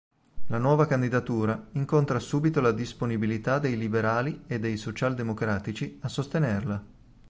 La nuova candidatura incontra subito la disponibilità dei liberali e dei socialdemocratici a sostenerla.